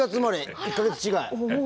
１か月違い。